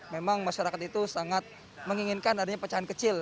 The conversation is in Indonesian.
memang masyarakat itu sangat menginginkan adanya pecahan kecil